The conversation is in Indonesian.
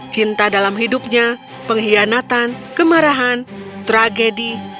cinta dalam hidupnya pengkhianatan kemarahan tragedi